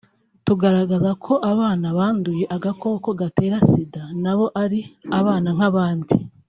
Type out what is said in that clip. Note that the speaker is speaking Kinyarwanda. tugaragaza ko abana banduye agakoko gatera sida nabo ari abana nk’abandi